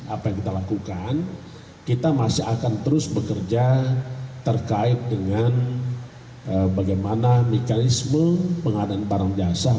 apa yang kita lakukan kita masih akan terus bekerja terkait dengan bagaimana mekanisme pengadaan barang jasa